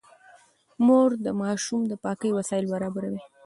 مور د ماشوم د پاکۍ وسايل برابروي.